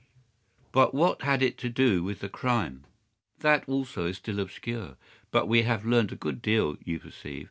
"But what had it to do with the crime?" "That, also, is still obscure. But we have learned a good deal, you perceive.